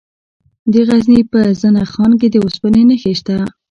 د غزني په زنه خان کې د اوسپنې نښې شته.